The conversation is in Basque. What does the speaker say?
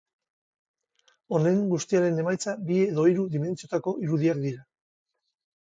Honen guztiaren emaitza bi edo hiru dimentsiotako irudiak dira.